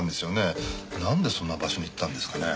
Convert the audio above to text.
なんでそんな場所に行ったんですかね？